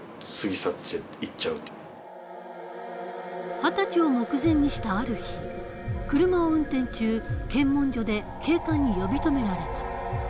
二十歳を目前にしたある日車を運転中検問所で警官に呼び止められた。